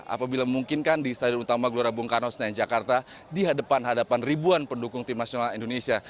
apabila memungkinkan di stadion utama gelora bung karno senayan jakarta di hadapan hadapan ribuan pendukung tim nasional indonesia